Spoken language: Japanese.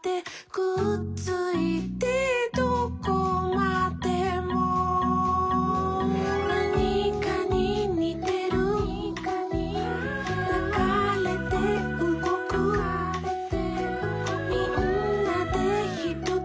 「くっついてどこまでも」「なにかににてる」「ながれてうごく」「みんなでひとつ」